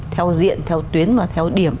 theo diện theo tuyến và theo điểm